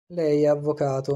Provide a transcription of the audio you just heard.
Lei è avvocato.